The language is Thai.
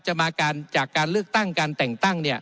มาจากการเลือกตั้งการแต่งตั้ง